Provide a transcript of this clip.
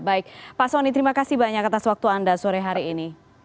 baik pak soni terima kasih banyak atas waktu anda sore hari ini